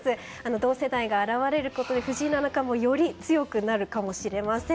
同世代が現れることで藤井七冠もより強くなるかもしれません。